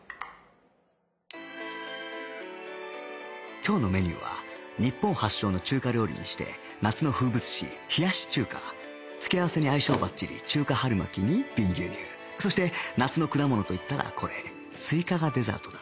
今日のメニューは日本発祥の中華料理にして夏の風物詩冷やし中華付け合わせに相性ばっちり中華春巻きに瓶牛乳そして夏の果物といったらこれスイカがデザートだ